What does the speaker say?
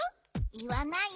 いわない？